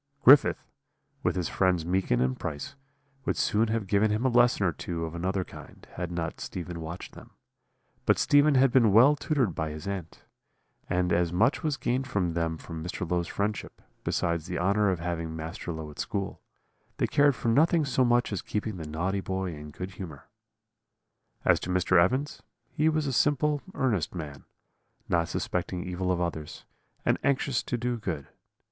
"Griffith, with his friends Meekin and Price, would soon have given him a lesson or two of another kind, had not Stephen watched them; but Stephen had been well tutored by his aunt, and as much was gained them from Mr. Low's friendship, besides the honour of having Master Low at school, they cared for nothing so much as keeping the naughty boy in good humour. "As to Mr. Evans, he was a simple, earnest man, not suspecting evil of others, and anxious to do good.